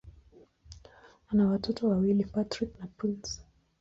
Ana watoto wawili: Patrick na Prince.